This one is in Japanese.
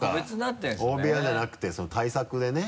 大部屋じゃなくて対策でね。